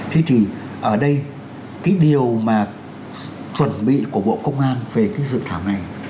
thế thì ở đây cái điều mà chuẩn bị của bộ công an về cái dự thảo này